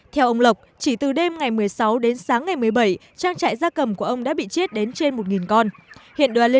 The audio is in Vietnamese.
theo ông lộc chỉ từ đêm ngày một mươi sáu đến sáng ngày một mươi bảy trang trại gia cầm của ông đã bị chết đến trên một con